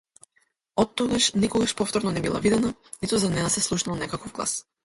Оттогаш никогаш повторно не била видена, ниту за неа се слушнал некаков глас.